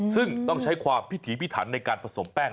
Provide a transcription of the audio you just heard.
ซึ่งต้องใช้ความพิถีพิถันในการผสมแป้ง